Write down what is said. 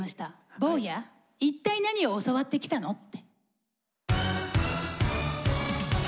「坊や、いったい何を教わって来たの」って。